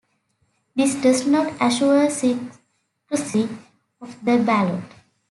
This does not assure secrecy of the ballot.